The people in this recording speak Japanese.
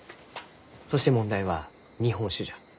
そして問題は日本酒じゃ。